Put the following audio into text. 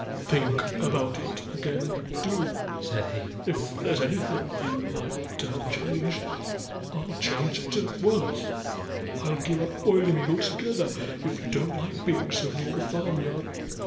"Do think about it again do!" said he. "If there's anything you like to have changed, I'll change it at once. I'll give up Oileymead altogether, if you don't like being so near the farm yard.